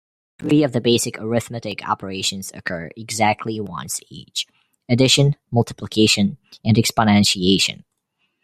Three of the basic arithmetic operations occur exactly once each: addition, multiplication, and exponentiation.